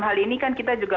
hal ini kan kita juga